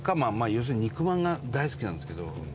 要するに肉まんが大好きなんですけど。